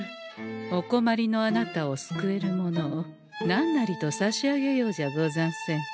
お困りのあなたを救えるものを何なりと差し上げようじゃござんせんか。